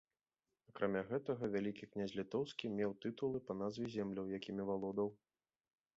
Акрамя гэтага, вялікі князь літоўскі меў тытулы па назве земляў, якімі валодаў.